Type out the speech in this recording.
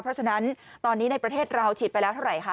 เพราะฉะนั้นตอนนี้ในประเทศเราฉีดไปแล้วเท่าไหร่คะ